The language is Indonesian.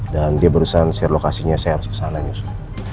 dan dia barusan share lokasinya saya harus ke sana nyusul